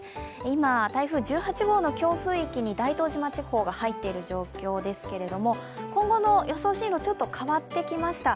今、台風１８号の強風域に大東島地方が入っている状況ですけど今後の予想進路、ちょっと変わってきました。